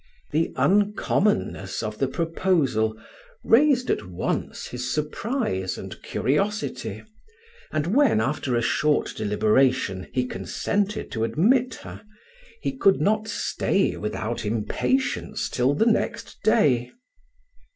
The uncommonness of the proposal raised at once his surprise and curiosity, and when after a short deliberation he consented to admit her, he could not stay without impatience till the next day.